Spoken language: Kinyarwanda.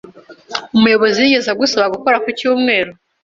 Umuyobozi yigeze agusaba gukora ku cyumweru?